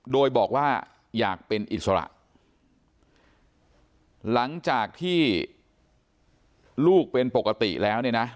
โดยบอกว่าอยากเป็นอิสระหลังจากที่ลูกเป็นปกติแล้วเนี่ยนะ